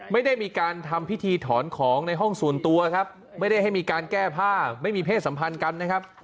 ไม่ได้มีการทำพิธีถอนของในห้องส่วนตัวครับไม่ได้ให้มีการแก้ผ้าไม่มีเพศสัมพันธ์กันนะครับ